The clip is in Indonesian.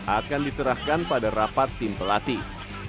akan diserahkan pada rapat tim pelatih